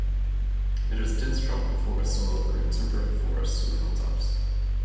It has dense tropical forests all over and temperate forest in the hilltops.